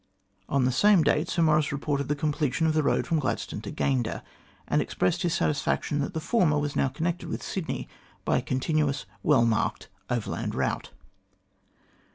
On the same date Sir Maurice reported the completion of the road from Gladstone to Gayndah, and expressed hi& satisfaction that the former was now connected with Sydney by a continuous, well marked overland route.